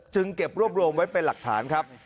เก็บรวบรวมไว้เป็นหลักฐานครับ